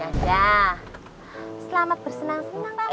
ya dah selamat bersenang senang papa